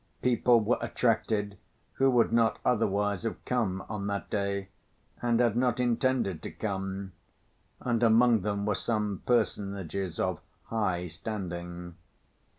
People were attracted who would not otherwise have come on that day and had not intended to come, and among them were some personages of high standing.